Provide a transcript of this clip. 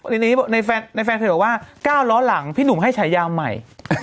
นี่ไงในแฟนแฟนเคยบอกว่าเก้าร้อหลังพี่หนุ่มให้ใช้ยาวใหม่